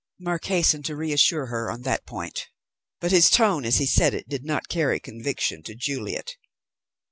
Mark hastened to reassure her on that point, but his tone as he said it did not carry conviction to Juliet.